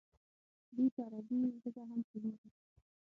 دوی په عربي ژبه هم پوهېږي.